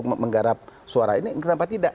menggarap suara ini kenapa tidak